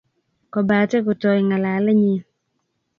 Kobate kotoi ngalalenyi